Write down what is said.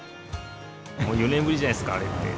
もう４年ぶりじゃないですか、あれって。